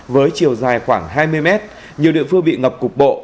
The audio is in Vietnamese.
với chiều dài khoảng hai mươi mét nhiều địa phương bị ngập cục bộ